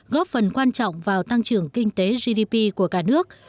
góp phần quan trọng vào tăng trưởng kinh tế gdp của cả nước